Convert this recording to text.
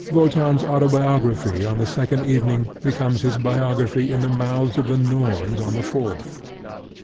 Wotan's autobiography on the second evening becomes his biography in the mouths of the Norns on the fourth.